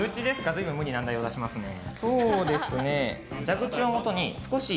ずいぶん、無理難題を出しますね。